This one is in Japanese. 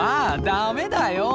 ダメだよお！